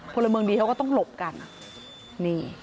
พลเมืองดีเขาก็ต้องหลบกันนี่